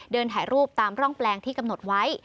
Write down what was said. ถ่ายรูปตามร่องแปลงที่กำหนดไว้